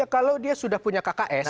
kalau dia sudah punya kks